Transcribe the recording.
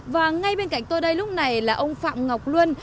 và ngay bên cạnh tôi đây lúc này là ông phạm ngọc luân